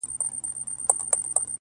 • وحشت د انسان دننه پټ دی,